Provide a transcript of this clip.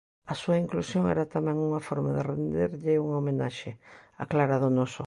A súa inclusión era tamén unha forma de renderlle unha homenaxe, aclara Donoso.